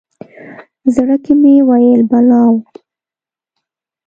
زړه کې مې ویل بلا وه.